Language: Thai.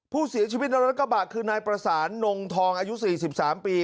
ผู้เสียชีวิตในรถกระบะคือนายประสานนงทองอายุ๔๓ปี